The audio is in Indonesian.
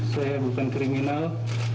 saya bukan kriminal